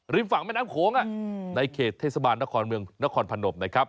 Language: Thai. ริมฝั่งแม่น้ำโขงนะในเขตเทศบาลนครพนมนะครับ